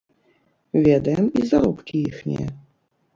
Ведаем і заробкі іхнія.